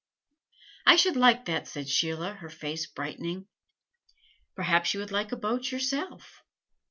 "I should like that," said Sheila, her face brightening. "Perhaps you would like a boat yourself?"